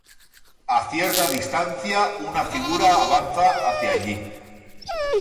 A cierta distancia, una figura avanza hacia allí.